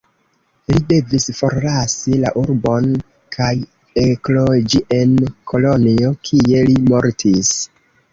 Li devis forlasi la urbon kaj ekloĝi en Kolonjo, kie li mortis.